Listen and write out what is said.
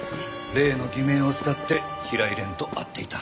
例の偽名を使って平井蓮と会っていた。